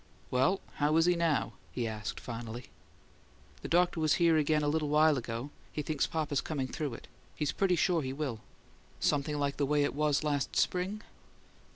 "Well, how is he now?" he asked, finally. "The doctor was here again a little while ago; he thinks papa's coming through it. He's pretty sure he will." "Something like the way it was last spring?"